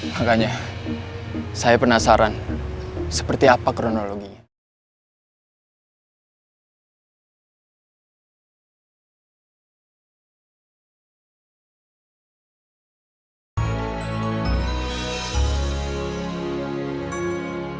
makanya saya penasaran seperti apa kronologinya